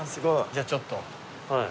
じゃあちょっと。